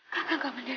kakak kaman danu